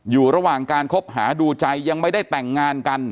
อยู่ระหว่างการคบหาดูใจยังไม่ได้แต่งงานกัน